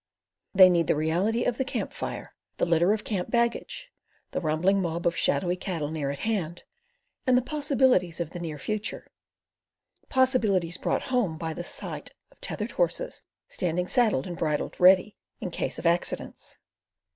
They need the reality of the camp fire, the litter of camp baggage, the rumbling mob of shadowy cattle near at hand, and the possibilities of the near future—possibilities brought home by the sight of tethered horses standing saddled and bridled ready "in case of accidents."